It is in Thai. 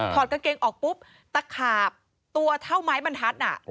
อดกางเกงออกปุ๊บตะขาบตัวเท่าไม้บรรทัศน์